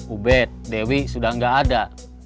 ubed dewi sudah nggak ada